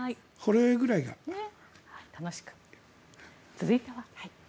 続いては。